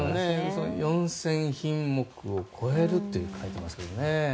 ４０００品目を超えると書いていますけどね。